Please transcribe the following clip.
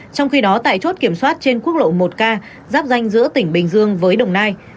trong khi đó tại chốt kiểm soát trên quốc lộ một k giáp danh giữa tỉnh bình dương với đồng nai